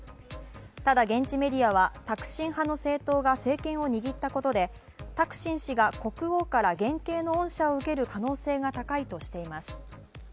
ただ、現地メディアはタクシン派の政党が政権を握ったことでタクシン氏が国王から減刑の恩赦を受ける可能性が高いとしています。